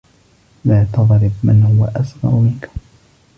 لَا تَضْرِبْ مَنْ هُوَ أَصْغَرُ مِنْكَ.